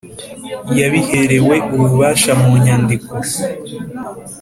yabiherewe ububasha mu nyandiko